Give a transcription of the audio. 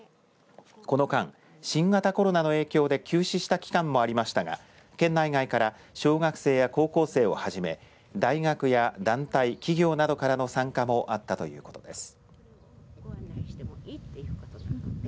この間、新型コロナの影響で休止した期間もありましたが県内外から小学生や高校生をはじめ大学や団体、企業などからの参加もあったということです。